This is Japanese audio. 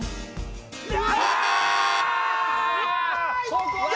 ここだよ！